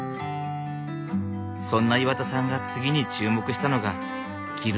そんな岩田さんが次に注目したのが着るもの。